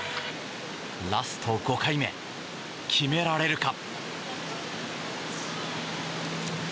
ラスト５回目、決められるか。